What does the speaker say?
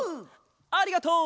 ありがとう！